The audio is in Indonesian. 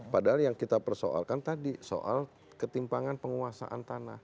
padahal yang kita persoalkan tadi soal ketimpangan penguasaan tanah